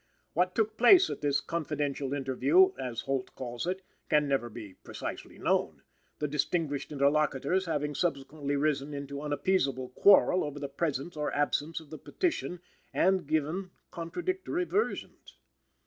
What took place at this "confidential interview" (as Holt calls it) can never be precisely known; the distinguished interlocutors having subsequently risen into unappeasable quarrel over the presence or absence of the petition, and given contradictory versions.